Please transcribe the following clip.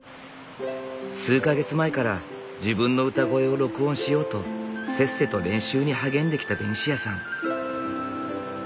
数か月前から自分の歌声を録音しようとせっせと練習に励んできたベニシアさん。